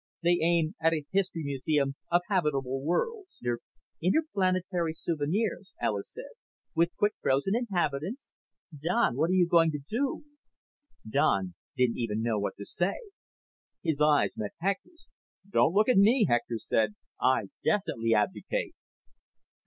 "They aim at a history museum of habitable worlds." "Interplanetary souvenirs," Alis said. "With quick frozen inhabitants? Don, what are you going to do?" Don didn't even know what to say. His eyes met Hector's. "Don't look at me," Hector said. "I definitely abdicate."